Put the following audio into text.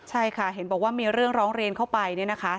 ใช่ค่ะเห็นบอกว่ามีเรื่องร้องเรียนเข้าไปเนี่ยนะคะ